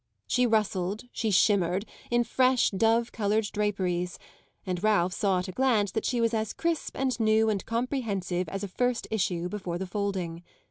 She rustled, she shimmered, in fresh, dove coloured draperies, and Ralph saw at a glance that she was as crisp and new and comprehensive as a first issue before the folding.